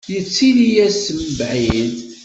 Yettili-as seg mebɛid.